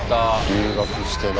留学してな。